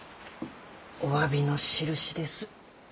おわびのしるしです。